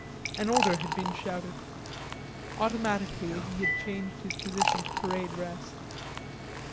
An order had been shouted. Automatically he had changed his position to parade rest.